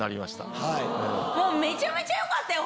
めちゃめちゃよかったよ